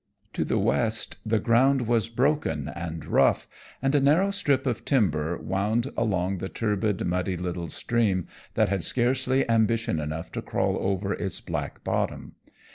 To the west the ground was broken and rough, and a narrow strip of timber wound along the turbid, muddy little stream that had scarcely ambition enough to crawl over its black bottom.